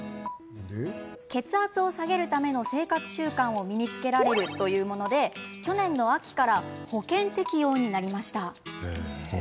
血圧を下げるための生活習慣を身につけられるもので去年の秋から保険適用になりました。